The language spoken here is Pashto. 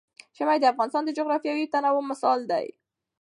ژمی د افغانستان د جغرافیوي تنوع مثال دی.